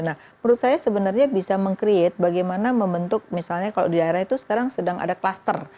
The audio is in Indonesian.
nah menurut saya sebenarnya bisa meng create bagaimana membentuk misalnya kalau di daerah itu sekarang sedang ada kluster